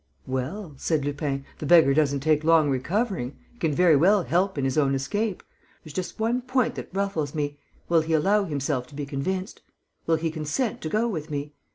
"Well" said Lupin, "the beggar doesn't take long recovering. He can very well help in his own escape. There's just one point that ruffles me: will he allow himself to be convinced? Will he consent to go with me?